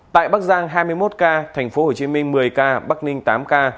tại bắc giang hai mươi một ca tp hcm một mươi ca bắc ninh tám ca